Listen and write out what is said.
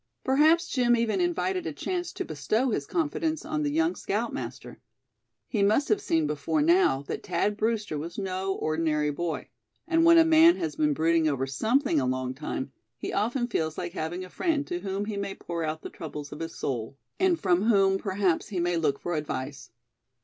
Perhaps Jim even invited a chance to bestow his confidence on the young scoutmaster. He must have seen before now that Thad Brewster was no ordinary boy; and when a man has been brooding over something a long time, he often feels like having a friend to whom he may pour out the troubles of his soul, and from whom perhaps he may look for advice.